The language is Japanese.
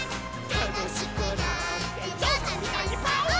「たのしくなってぞうさんみたいにパオーン」